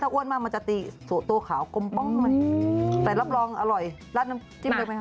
ถ้าอ้วนมากมันจะตีสู่ตัวขาวแต่รับรองอร่อยราดน้ำจิ้มเลยไหมคะ